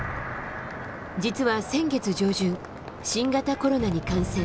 実は先月上旬、新型コロナに感染。